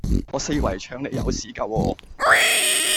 我四圍唱你有屎架喎